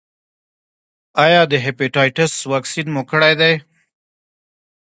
ایا د هیپاټایټس واکسین مو کړی دی؟